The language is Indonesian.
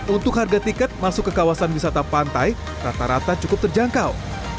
untuk harga tiket masuk ke kawasan wisata pantai rata rata cukup terjangkau